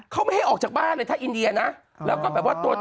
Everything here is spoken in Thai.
เขามีวิธีคุณ